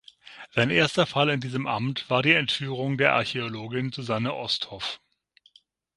Sein erster Fall in diesem Amt war die Entführung der Archäologin Susanne Osthoff.